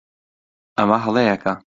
ئەمە هەڵەیەکە.